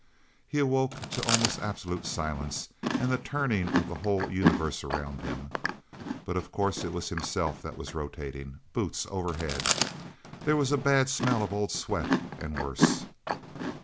He awoke to almost absolute silence, and to the turning of the whole universe around him. But of course it was himself that was rotating boots over head. There was a bad smell of old sweat, and worse.